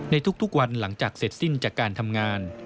ในทุกวันหลังจากเสร็จสิ้นจากการทำงาน